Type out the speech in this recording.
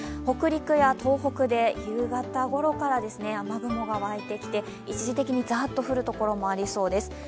北陸、東北で夕方ごろから雨雲がわいてきて一時的にザーッと降る所もありそうです。